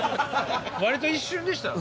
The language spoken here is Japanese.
割と一瞬でしたよ。